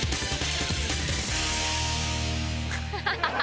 ハハハ